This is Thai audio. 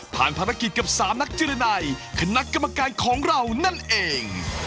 ภารกิจกับ๓นักจิรณัยคณะกรรมการของเรานั่นเอง